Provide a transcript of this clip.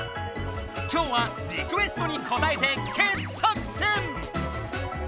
今日はリクエストにこたえて傑作選！